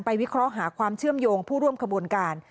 วิเคราะห์หาความเชื่อมโยงผู้ร่วมขบวนการ